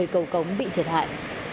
một mươi cầu cống bị thiệt hại